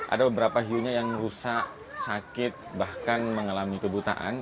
ada beberapa hiunya yang rusak sakit bahkan mengalami kebutaan